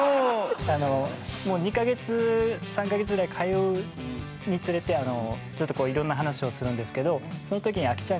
もう２か月３か月ぐらい通うにつれてずっとこういろんな話をするんですけどその時にあはいはい。